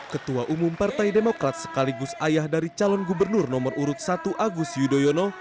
ketua umum partai demokrat sekaligus ayah dari calon gubernur nomor urut satu agus yudhoyono